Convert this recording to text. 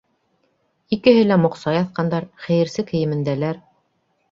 Икеһе лә моҡсай аҫҡандар, хәйерсе кейемендәләр.